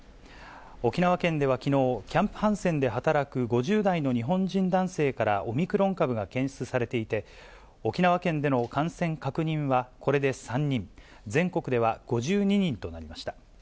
沖縄県ではきのう、キャンプ・ハンセンで働く５０代の日本人男性からオミクロン株が検出されていて、沖縄県での感染確認はこれで３人、全国では５２人となりました。